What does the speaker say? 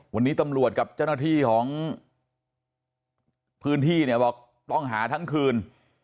วันนี้ตำรวจกับเจ้าหน้าที่ของพื้นที่เนี่ยบอกต้องหาทั้งคืน